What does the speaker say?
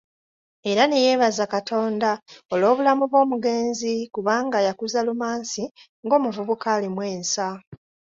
Era ne yeebaza Katonda olw’obulamu bw’omugenzi kubanga yakuza Lumansi ng'omuvubuka alimu ensa.